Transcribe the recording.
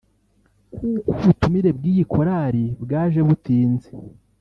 kuko ubutumire bw’iyi Korali bwaje butinze